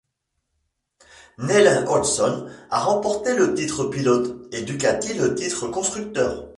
Neil Hodgson a remporté le titre pilote et Ducati le titre constructeur.